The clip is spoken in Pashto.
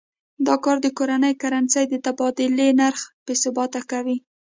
دا کار د کورنۍ کرنسۍ د تبادلې نرخ بې ثباته کوي.